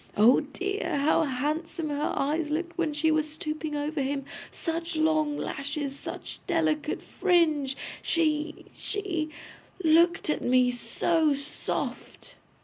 'Oh dear! How handsome her eyes looked when she was stooping over him! Such long lashes, such delicate fringe! She she looked at me so soft.